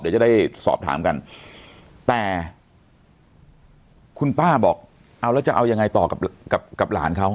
เดี๋ยวจะได้สอบถามกันแต่คุณป้าบอกเอาแล้วจะเอายังไงต่อกับหลานเขา